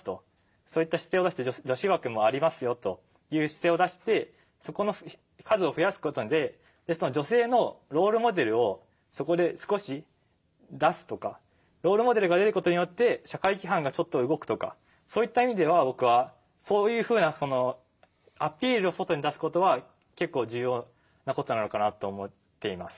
そういった姿勢を出して女子枠もありますよという姿勢を出してそこの数を増やすことで女性のロールモデルをそこで少し出すとかロールモデルが出ることによって社会規範がちょっと動くとかそういった意味では僕はそういうふうなアピールを外に出すことは結構重要なことなのかなと思っています。